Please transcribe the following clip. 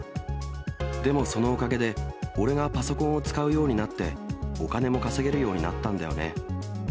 でも、そのおかげで、俺がパソコンを使うようになって、お金も稼げるようになったんだよね。